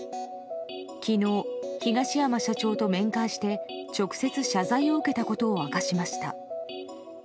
きのう、東山社長と面会して、直接謝罪を受けたことを明かしました。